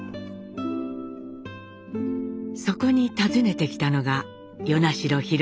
そこに訪ねてきたのが与那城廣。